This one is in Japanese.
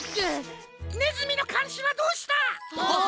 ねずみのかんしはどうした！あっ！